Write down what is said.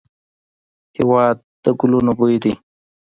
هېواد د ګلونو بوی دی.